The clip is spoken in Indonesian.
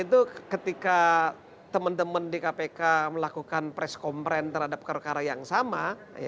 itu ketika teman teman di kpk melakukan press conference terhadap perkara yang sama